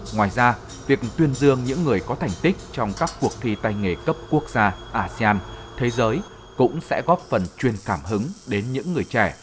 ngoài ra việc tuyên dương những người có thành tích trong các cuộc thi tay nghề cấp quốc gia asean thế giới cũng sẽ góp phần truyền cảm hứng đến những người trẻ